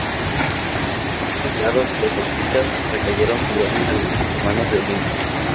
Cuando fue liberado, las sospechas recayeron sobre uno de los hermanos de Lina.